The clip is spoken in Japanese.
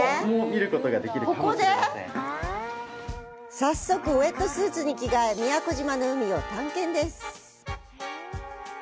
早速、ウエットスーツに着替え宮古島の海を探検です！